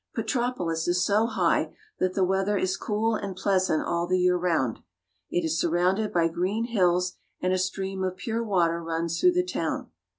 Petropolis. Petropoli^ is so high that the weather is cool and pleas ant all the year round. It is surrounded by green hills, and a stream of pure water runs through the town.